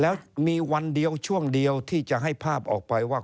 แล้วมีวันเดียวช่วงเดียวที่จะให้ภาพออกไปว่า